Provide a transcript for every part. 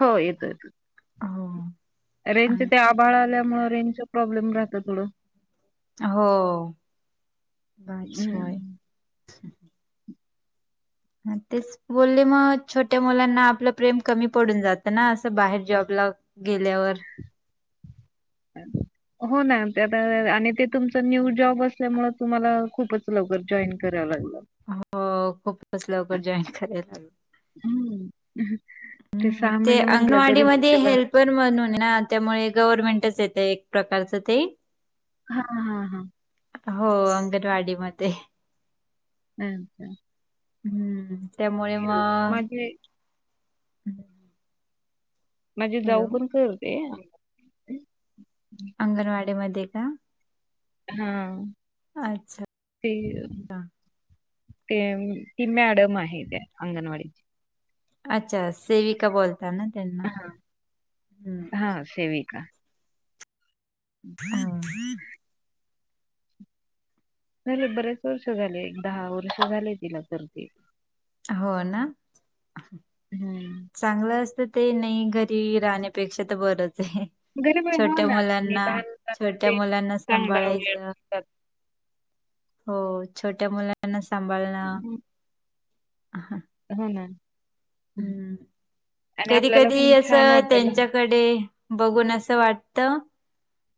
हो, येतो येतो. हो. रेंजच आणि- ते आभाळ आल्यामुळ रेंजच प्रॉब्लेम राहतं थोडं. हो, भाजी होय. हम्म. हां तेच बोलले मग, छोट्या मुलांना आपलं प्रेम कमी पडून जातं ना, असं बाहेर जॉबला गेल्यावर. [inaudible] हो ना, त्यात आणि ते तुमच न्यू जॉब असल्यामुळ, तुम्हाला खूपच लवकर जॉईन करावं लागलं. हो खूपच लवकर असं जॉईन करायला लागलं. हम्म. हम्म, ते महिने म्हटलं अंगणवाडी तरी मग मध्ये त्याला हेल्प पर म्हणून आहे ना, त्यामुळे गव्हर्नमेंटच येत एक प्रकारचं ते. हा, हा, हा. हो अंगणवाडी मध्ये. हाव का? हम्म, त्यामुळे मग माझी माझी हॅलो जाऊ पण करते. अंगणवाडीमध्ये का? हा, अच्छा ते ते ती मॅडम आहे त्या अंगणवाडीची. अच्छा, सेविका बोलता ना त्यांना. हां, हां हम्म. सेविका. हा. झाले बरेच वर्ष झाले, एक दहा वर्ष झाले तिला करतीये. हो ना? हम्म. चांगलं असतं ते नाही, घरी राहण्यापेक्षा तर बरच आहे. गरीब आहे हो छोट्या ना मुलांना, निदान छोट्या ते मुलांना चांगला वेळ सांभाळायचं. असतात हो, छोट्या मुलांना सांभाळणं. हम्म, हा. हो ना आणि आपल्याला पण छान वाटेल. ते बघून अस वाटत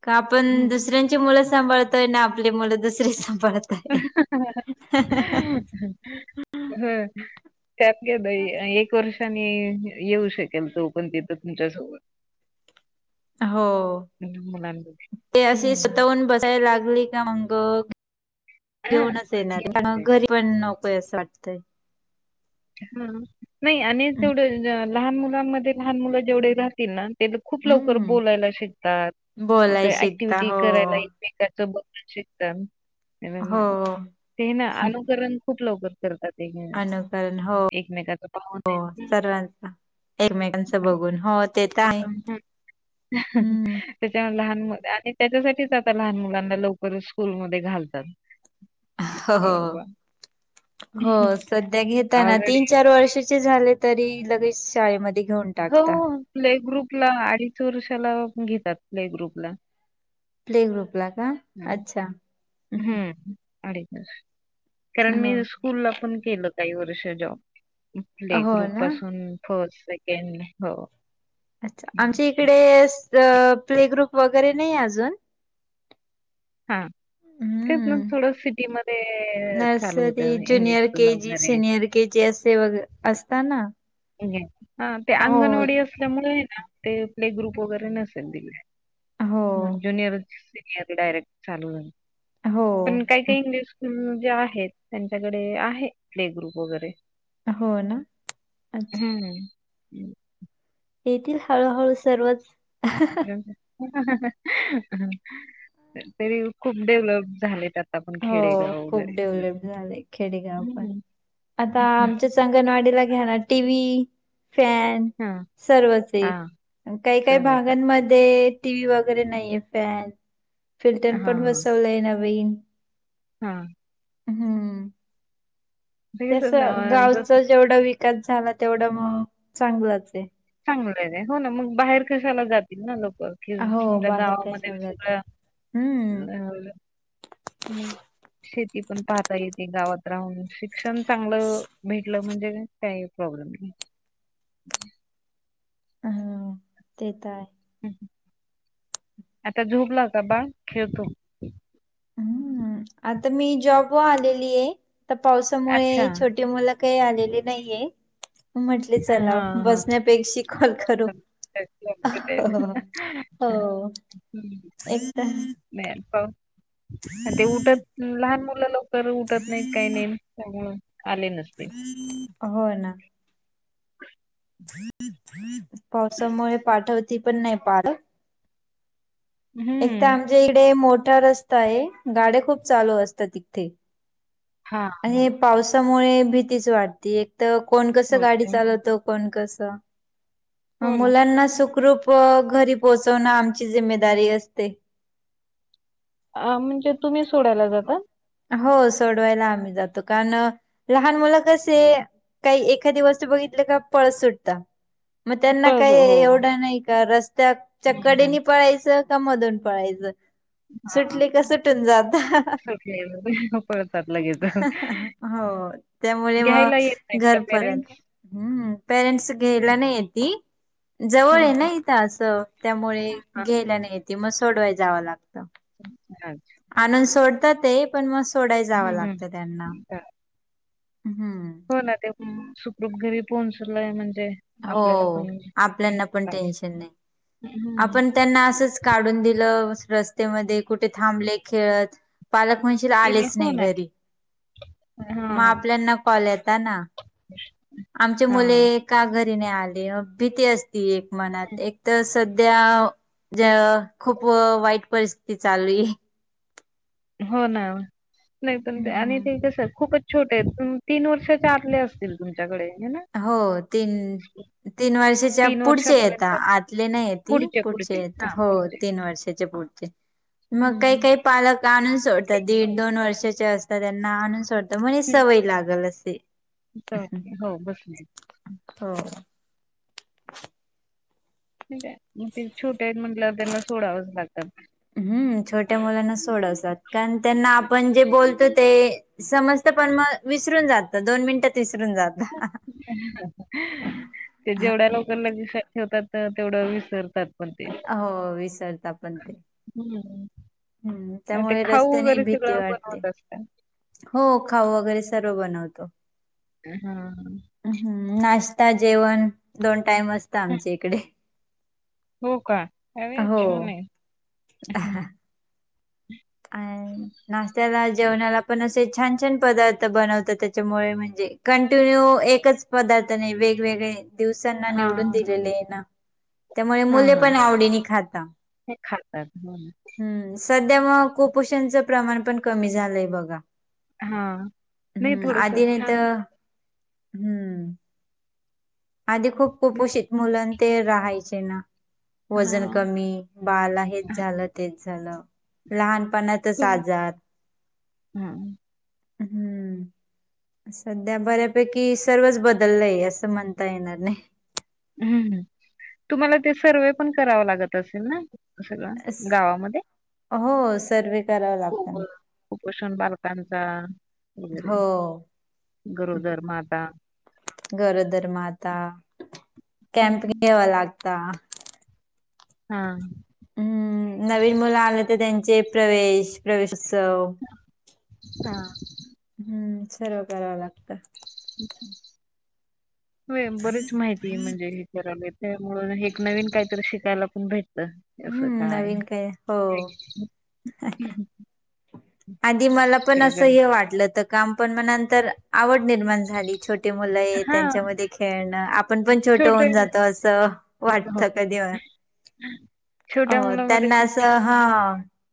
का, आपण हम्म, दुसऱ्यांची मुलं सांभाळत तोय आणि आपली मुलं दुसरी सांभाळत. [inaudible] त्यात काय नाही, एक वर्षानी येऊ शकेल तो पण तिथं तुमच्यासोबत. हो, मुलांमध्ये ते अशी हम्म. स्वतःहून बसायला लागली का मंग हा, घेऊनच येणार घेऊन आहे, जाईल. घरी पण नकोय असं वाटतय. हा नाही आणि तेवढं लहान मुलांमध्ये लहान मुलं जेवढे राहतील ना, ते खूप लवकर हम्म बोलायला शिकतात, बोलाय ते शिकता ऍक्टिव्हटी करायला हो. एकच बघून शिकतात, हो [unintelligible] ते ना अनुकरण खूप लवकर करतात [unintelligible] कारण, हो एकमेकाचं पाहून हो सर्वांच. एकमेकांचं हं. बघून हो ते तर आहे. हम्म [unintelligible] त्याच्यान लहान आणि त्याच्यासाठीच आता लहान मुलांना लवकरच स्कूलमध्ये घालतात. हो, की बाबा हो, सध्या घेताना ऑलरेडी तीन-चार वर्षाचे झाले तरी लगेच शाळेमध्ये घेऊन हो, टाकता हो, प्ले ग्रुपला आडीच वर्षाला घेतात प्ले ग्रुपला. प्ले ग्रुपला का? [unintelligible] अच्छा हम्म अडीच वर्षाला कारण मी हो स्कूलला पण केलं काही वर्ष जॉब प्ले हो ग्रुप ना पासून फस्ट, सेकेंड हो. अच्छा, आमच्या इकडे स अ प्ले ग्रुप वगैरे नाहीये अजून. हा. तेच ना हम्म थोडं सिटी मध्ये चालू नर्सरी होतं English junior school K G वगैरे सिनियर के जे एस ए वगैरे असताना. [unintelligible] हा ते अंगणवाडी असल्यामुळे आहे ना ते प्ले ग्रुप वगैरे नसेल तिकडे. हो म ज्युनियरच, सिनियर डायरेक्ट चालु झाले, हो पण काय ते इंग्लिश स्कूल जे आहेत, त्यांच्याकडे आहे प्ले ग्रुप वगैरे. हो ना, आण हम्म. येतील हळूहळू सर्वच. [inaudible] तरी खूप डेव्हलप झालेत आ हो खूप डेव्हलप झाले खेडेगाव पण हं. आता आमच्याच अंगणवाडीला घ्याना टी. व्ही, फॅन हां, सर्वच ये हां, आणि काही, काही सहज आहे. भागांमध्ये टी व्ही वगैरे नाहीेये फॅन, फिल्टर हां, पण बसवलंय नवीन हा. हम्म. ते तस कसं ना, जसं गावचा जेवढा विकास झाला तेवढा मग चांगलाचये. चांगलंय र होना मग बाहेर कशाला जातील ना लोक. हम्म, हो समजा बाहेर गावांमध्ये कशाला जाते. सगळ हम्म [unintelligible] शेती पण पाहता येती गावात राहून शिक्षण चांगलं भेटलं म्हणजे काहीही प्रॉब्लेम नाही. हा ते तर आहे. [inaudible] आता झोपला का बाळ? खेळतो? हम्म, आता मी जॉब व आलेली आहे तर अच्छा पावसामुळे छोटे मुल काही आलेली नाहीये. म्हटले चला हा हा बसण्यापेक्षी कॉल करू [inaudible] हो. हो. हम्म [inaudible] ह ह [unintelligible] नाही आता पाऊस आणि ते उठत लहान मुलं लवकर उठत नाहीत काही नाही त्याच्यामुळ आले नस [inaudible] हो ना. [inaudible] पावसामुळे पाठवती पण नाही पालक. हम्म [unintelligible] एक तर आमच्या इकडे मोठा रस्ता आहे गाड्या खूप चालू असतात इथे. हा आणि हे पावसामुळे भीतीच वाटती एक तर कोण कसं हो गाडी ते. चालवत कोण कस हो ना मुलांना सुखरूप पग घरी पोहोचवणं आमची जिम्मेदारी असते. आ म्हणजे तुम्ही सोडायला जाता? हो सोडवायला आम्ही जातो, कारण लहान मुलं कसे काही एखादी गोष्ट बघितली का पळस सुटता. म त्यांना पळस काही हो एवढं नाही का रस्त्याच्या हम्म. कडेनी पळायचं का मधून पळायचं हा सुटले का सुटून जाता. [unintelligible] लगेच हो त्यामुळे घ्यायला येत मग नाहीत का घरपर्यंत. पेरेंट्स हम्म पेरेंट्स घ्यायला नाही येति हं, जवळ आहे हं. ना इ तासं त्यामुळे अच्छा, घ्यायला नाही येते मग सोडवाय जावं लागतं. अच्छा अच्छा. आणून सोडतात ते पण म सोडाय जावं हं, हं. लागतं त्यांना. बरं. हम्म. हो ना [unintelligible] सुखरूप घरी पोहोचलंय म्हणजे हो आपल्याला पण म्हणजे आपल्यांना पण त्रास टेन्शन नाही हं. आपण त्यांना असच काडून दिलं रस्तेमध्ये कुठे थांबले खेळत पालक म्हणशील केले आलेच हो नाही ना. घरी म हां, आपल्यांना कॉल येता ना. [unintelligible] आमचे हां. मुले का घरी नाही आले अ भीती अस ती एक मनात एक तर सध्याव जय खूप वाईट परिस्थिती चालली. हो ना हो नाही पण क आणि हम्म, ते कसं खूपच छोटे आहेत तीन वर्षाचे आतले असतील तुमच्याकडे हे ना. हो तीन तीन वर्षाच्या पुढचे येता वर्षापर्यंत आतले नाही येती पुढचे येत्या हो. तीन वर्षाचे पुढचे. हम्म मग काही हम्म. काही पालक आणून सोडतात दीड दोन वर्षाचे असतात त्यांना आणून सोड ता म्हणे सवय लागल असे. चालले हो बसमधी. हो. [inaudible] नी काय ते छोट्या आहेत म्हंटलंवर त्यांना सोडावंच लागतात. हम्म छोट्या मुलांना सोडवसात कारण त्यांना आपण जे बोलतो ते समजतं पण मग विसरून जातं दोन मिनिटात विसरून जात. ते जेवढ्या लव कर [unintelligible] ठेवतात तर तेवढं विसरतातर. हो विसरता पण ते. हम्म हम्म ते त्यामुळे खाऊ रस्त्याने वगैरे भीती सगळं वाटते. बनवत असत्या. हो खाऊ वगैरे सर्व बनवतो. अ हां. हम्म नाश्ता जेवण दोन टाईम असतं हं, आमच्या इकडे. हो का अरे हो. छान आहे. एन नाष्टायाला जेवणाला पण असे छान छान पदार थ बनवत त्याच्यामुळे म्हणजे कंटिन्यू एकच पदार्थ नाही वेगवेगळे दिवसांना हां, निवडून दिलेले आहे ना त्यामुळे हां, मुले हां. पण आवडीनी खाता ते खातात. हो ना. हम्म सध्या मग कुपोषणचं प्रमाण पण कमी झालंय बघा हां. नाही हम्, म थोडंसं आधी नाही तर, छान हम्म आधी खूप कुपोषित मुलं ते राहायचे ना, वजन हां. कमी बाळला हेच झालं, तेच झालं लहानपणातच आजार हम् हम्म. सध्या बऱ्यापैकी सर्वच बदललंय असं म्हणता येणार नाही. ह्, तुम्हाला ते सर्वे पण कराव लागत असेल ना? सगळं गावामध्ये? हो सर्वे करावा कुप लागतं ना. कुपोषण बालकांचा वगैरे हो गरोदर माता. गरोदर माता केॅम्प हं. घेवा लागता. हा. हम्म, नवीन मुलं आले ते त्यांचे प्रवेश प्रवेशोत्सव हां. हम्म, सर्व कराव लागतं. होय, बरीच माहिती आहे म्हणजे हे रा नवीन काहीतरी शिकायला पण भेटत. तस हम्म नवीन हो. काय [unintelligible] आधी मला पण काय असं कर हे वाटलं, तर काम पण म नंतर आवड निर्माण झाली. छोटी मुलं आहे हां, त्यांच्यामध्ये खेळणं आपण पण छोटं छोटे होऊन जातो. असं हो, वाटत कधी छोट्या अ मुलामध्ये त्यांना खूप छान असं हा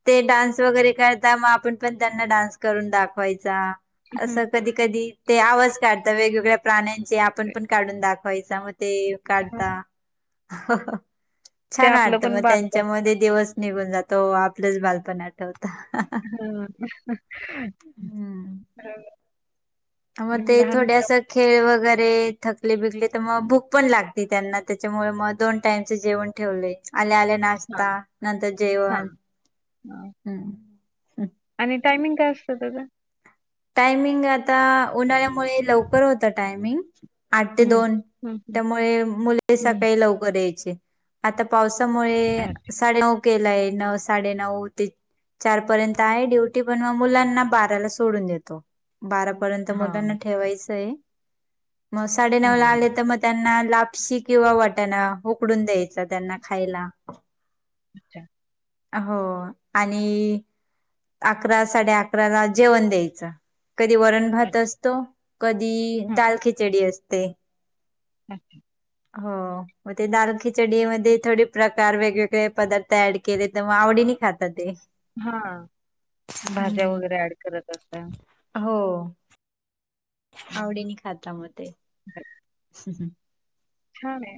ते डान्स वगैरे करता मग आपण पण त्यांना डान्स करून दाखवायचा, हं, असं कधी कधी आवाज काढत वेगवेगळ्या प्राण्यांचे, आपण पण काढून दाखवायचा मग काढता, हां, ते छान आपलं वाटत मग पण त्यांच्या बालपण मध्ये दिवस निघून जातो, आपलंच बालपण आठवत. ह ह मग ते थोडे असं खेळ वगैरे थकले- बिकले तर मग भूक पण लागते त्यांना त्याच्यामुळे मग, दोन टाइमच जेवण ठेवले, आल्या आल्या हां, नाश्ता नंतर हां, जेवण, हां हम् आणि टायमिंग काय असतं त्याचं? टायमिंग आता उन्हाळ्यामुळे लवकर होत टायमिंग, आठ ते हं, दोन, हं, हं, त्यामुळे मुले हं, सकाळी लवकर यायचे. आता पावसामुळे अच्छा साडे नऊ केलाय, नऊ साडेनऊ ते चार पर्यंत आहे ड्युटी पण मग मुलांना बाराला सोडून देत. बारा पर्यंत हां, मुलांना ठेवायचं आहे. मग साडे हां, नऊ ला हां, आले तर म त्यांना लापशी किंवा वाटणा उकडून द्यायचा त्यांना खायला. अच्छा! हो आणि अकरा साडे अकरा ला जेवण द्यायचं, कधी वरण भात अच्छा, असतो. कधी हां, दाल खिचडी असते. अच्छा! हो. मग दाल खिचडी मध्ये थोडे प्रकार, वेगवेगळे पदार्थ ऍड केले तर मग आवडीने खात ते हा, भाज्या वगैरे हम्म ऍड करत असा हो. आवडीन खाता म ते. ह हम् हम छानए.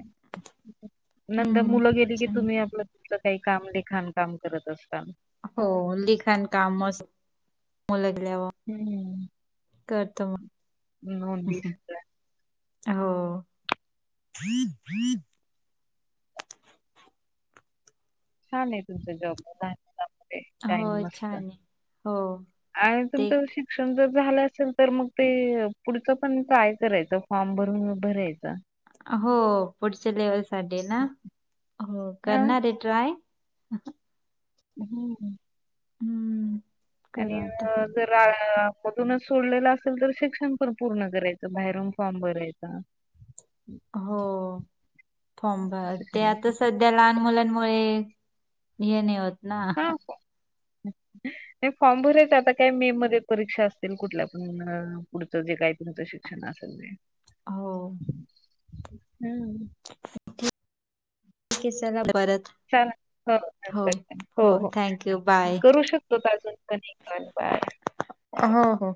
नंतर हम्म मुलं गेली की छान तुम्ही आपलं- काही काम लिखाण काम करत असता. हो. लिखाण कामच. मुल गल्यावर. हम्म. करतो नोंदी म. सगळ्या हो. छान ए तुमचा जॉब- हो टाइम मस्त छान आहे हो आणि ते तुमचं [unintelligible] -क्षण जर झालं असेल तर मग ते पुढचं पण ट्राय करायचा. फॉर्म भरून भरायचा. हो. पुढच्या लेवल साठी ना? हो हा. करणार ए ट्राय. हम्म. ह. हम्म करू आणि- आता जर मधूनच सोडलेलं असेल तर, शिक्षण पण पूर्ण करायचं. बाहेरून फॉर्म भरायचा. हा हो. फॉम भर, असं ते करायचं आता सध - ध्या लहान मुलांमुळे हे नाही होत. ना हा का? नाही फॉर्म भरायचा. आता काय मे मध्ये परीक्षा असतील कुठल्या पण. पुढचं जे काही तुमचं शिक्षण असेल ते. हो. हम्म. [unintelligible] [unintelligible] हो. हो. थँक्यू बाय करू शकतो अजून पण [unintelligible] हो हो